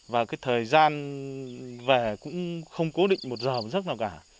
và thời gian về cũng không cố định một giờ rất nào cả